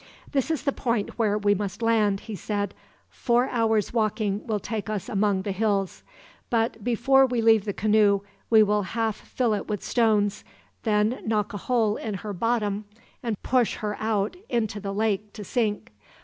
"This is the point where we must land," he said. "Four hours' walking will take us among the hills; but before we leave the canoe we will half fill it with stones, then knock a hole in her bottom and push her out into the lake to sink.